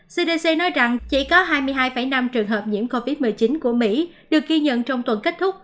cdc nói rằng chỉ có hai mươi hai năm trường hợp nhiễm covid một mươi chín của mỹ được ghi nhận trong tuần kết thúc